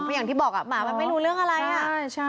อย่างที่บอกหมามันไม่รู้เรื่องอะไรอ่ะ